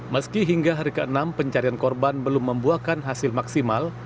meski hingga hari ke enam pencarian korban belum membuahkan hasil maksimal